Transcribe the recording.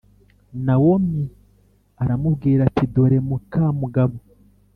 Nawomi aramubwira ati dore muka mugabo